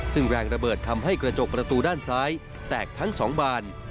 ซึ่งแรงระเบิดทำให้กระจกประตูด้านซ้ายแตกทั้ง๒บาน